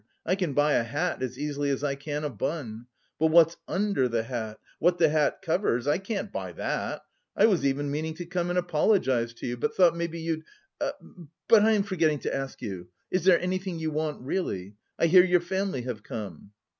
I can buy a hat as easily as I can a bun; but what's under the hat, what the hat covers, I can't buy that! I was even meaning to come and apologise to you, but thought maybe you'd... But I am forgetting to ask you, is there anything you want really? I hear your family have come?"